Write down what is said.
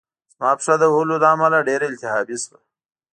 زما پښه د وهلو له امله ډېره التهابي شوه